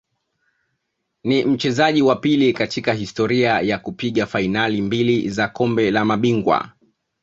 Ni mchezaji wa pili katika historia ya kupiga fainali mbili za Kombe la Mabingwa